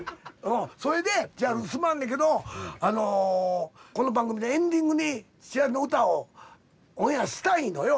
それでじゃあすまんねんけどこの番組でエンディングに千春の歌をオンエアしたいのよ実は。